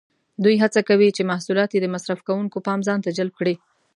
دوی هڅه کوي چې محصولات یې د مصرف کوونکو پام ځانته جلب کړي.